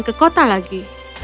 ke kota lagi